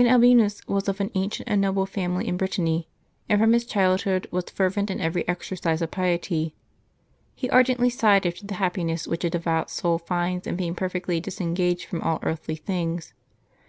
Albinus was of an ancient and noble family in Brit tany, and from his childhood was fervent in every exercise of piety. He ardently sighed after the happiness which a devout soul finds in being perfectly disengaged from all earthly things.